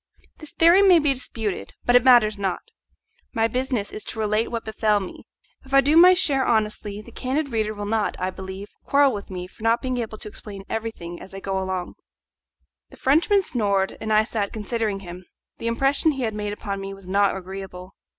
This theory may be disputed, but it matters not. My business is to relate what befell me; if I do my share honestly the candid reader will not, I believe, quarrel with me for not being able to explain everything as I go along. The Frenchman snored, and I sat considering him. The impression he had made upon me was not agreeable.